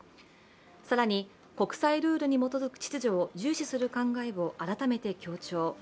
更に、国際ルールに基づく秩序を重視する考えを改めて強調。